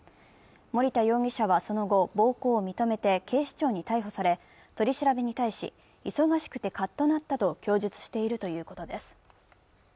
森田容疑者は、その後暴行を認めて警視庁に逮捕され、取り調べに対し、忙しくてカッとなったと供述しているということです。